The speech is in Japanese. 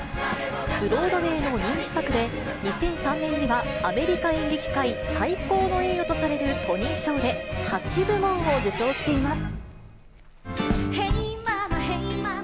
ブロードウェイの人気作で、２００３年にはアメリカ演劇界最高の栄誉とされるトニー賞で、８部門を受賞しています。